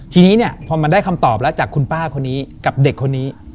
ทีนี้เนี่ยพอมันได้คำตอบแล้วจากคุณป้าคนนี้กับเด็กคนนี้